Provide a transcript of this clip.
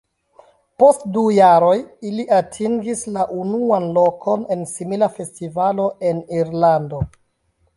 Post du jaroj ili atingis la unuan lokon en simila festivalo en Irlando.